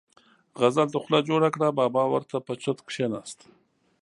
غزل ته خوله جوړه کړه، بابا ور ته په چرت کېناست.